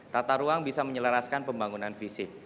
tata ruang bisa menyelaraskan pembangunan fisik